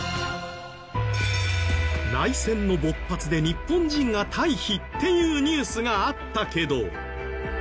内戦の勃発で日本人が退避っていうニュースがあったけど。